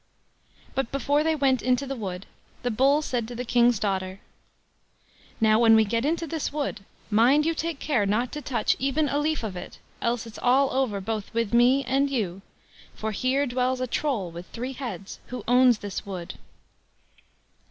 But before they went into the wood, the Bull said to the King's daughter: "Now, when we get into this wood, mind you take care not to touch even a leaf of it, else it's all over both with me and you, for here dwells a Troll with three heads who owns this wood."